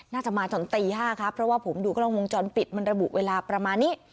น่าจะมาจนตี๕ครับเพราะว่าผมดูกล้องวงจรปิดมันระบุเวลาประมาณนี้